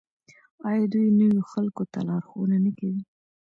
آیا دوی نویو خلکو ته لارښوونه نه کوي؟